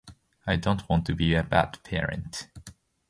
I don't want to be a bad parent.